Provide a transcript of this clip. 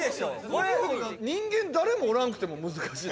これ人間誰もおらんくても難しない？